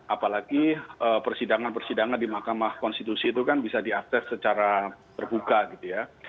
apalagi persidangan persidangan di mahkamah konstitusi itu kan bisa diakses secara terbuka gitu ya